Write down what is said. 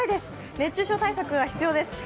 熱中症対策が必要です。